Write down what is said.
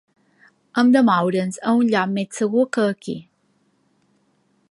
Hem de moure'ns a un lloc més segur que aquí.